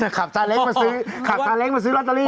จะขับชาเล็กมาซื้อลอตเตอรี่ระวังที่มี